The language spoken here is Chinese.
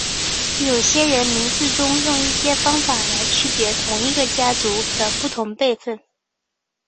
有些人名字中用一些方法来区别同一个家族的不同辈分。